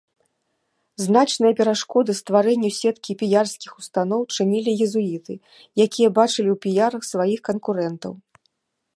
Значныя перашкоды стварэнню сеткі піярскіх устаноў чынілі езуіты, якія бачылі ў піярах сваіх канкурэнтаў.